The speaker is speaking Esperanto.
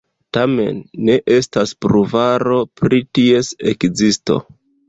Tamen, ne estas pruvaro pri ties ekzisto.